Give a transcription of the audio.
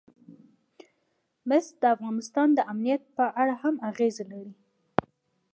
مس د افغانستان د امنیت په اړه هم اغېز لري.